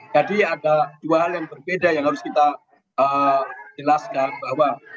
jadi ada dua hal yang berbeda yang harus kita jelaskan bahwa